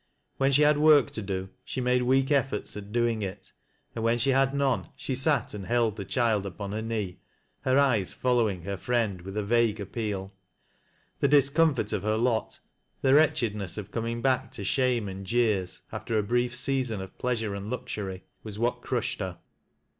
When she had work to do, she' made weak efforts at c.oing it, and when rfie had none she sat and held the child upon her knee, her eyes following her friend with a vague appeal. The discomfort of her lot, the wretchedness of coming back to ,>hame and jeers, after a brief season of pleasure and lux ury, was what crushed her.